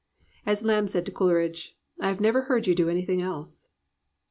As Lamb said to Coleridge, "I never heard you do anything else."